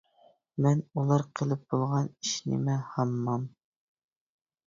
مەن:-ئۇلار قىلىپ بولغان ئىش نېمە؟ -ھاممام.